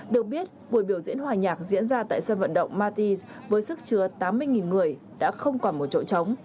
được biết buổi biểu diễn hòa nhạc diễn ra tại sân vận động mattis với sức chứa tám mươi người đã không còn một chỗ trống